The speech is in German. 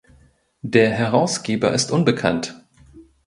Der Herausgeber ist unbekannt.